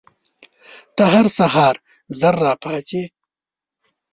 ته هر سهار ژر راپاڅې؟